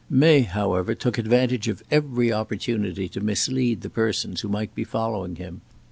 May, however, took advantage of every opportunity to mislead the persons who might be following him.